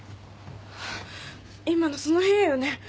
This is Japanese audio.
・今のその部屋よね。